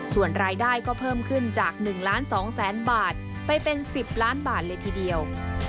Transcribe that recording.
ส่วนรายได้ก็เพิ่มขึ้นจาก๑ล้าน๒แสนบาทไปเป็น๑๐ล้านบาทเลยทีเดียว